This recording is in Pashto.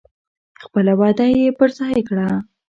خپله وعده یې پر ځای کړه.